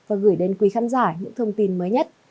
và gửi đến quý khán giả những thông tin mới nhất